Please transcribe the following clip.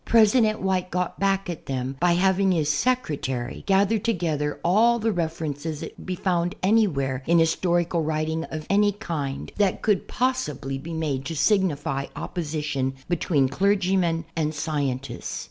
President White got back at them by having his secre tary gather together all the references that could be found anywhere in historical writing of any kind, that could possibly be made to signify opposition between clergymen and scientists.